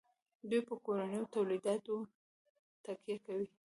دوی په کورنیو تولیداتو تکیه کوي.